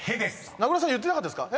名倉さん言ってなかったですか？